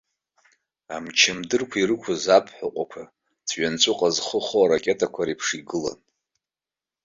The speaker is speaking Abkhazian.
Амчандырқәа ирықәыз аԥҳәаҟәақәа, ҵәҩанҵәыҟа зхы хоу аракетақәа реиԥш игылан.